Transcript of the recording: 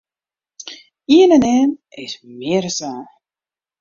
Ien en ien is mear as twa.